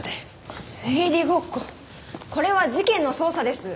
これは事件の捜査です。